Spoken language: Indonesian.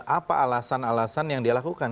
apa alasan alasan yang dia lakukan